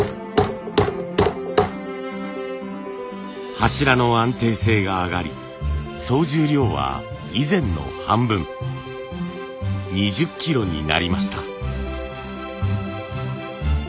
柱の安定性が上がり総重量は以前の半分２０キロになりました。